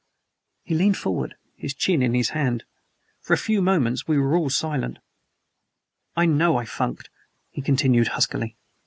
He leaned forward, his chin in his hand. For a few moments we were all silent. "I know I funked," he continued huskily.